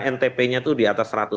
ntpnya itu di atas rp seratus